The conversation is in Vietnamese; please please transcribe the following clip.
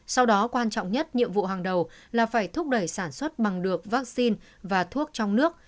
sau đó quan trọng nhất nhiệm vụ hàng đầu là phải thúc đẩy sản xuất bằng được vaccine và thuốc trong nước